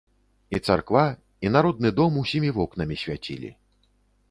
І царква, і народны дом усімі вокнамі свяцілі.